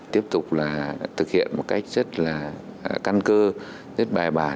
tiếp tục là thực hiện một cách rất là căn cơ rất bài bản